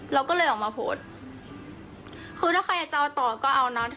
เราก็เลยออกมาโพสต์คือถ้าใครอยากจะเอาต่อก็เอานะ